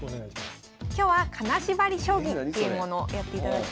今日は「金縛り将棋」というものをやっていただきます。